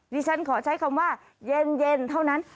ฉันขอใช้คำว่าเย็นเท่านั้น